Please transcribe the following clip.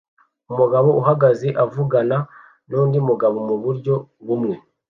Umugabo uhagaze avugana nundi mugabo muburyo bumwe